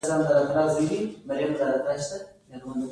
که مات شو او وتښتیدی نوم به یې هیر شو.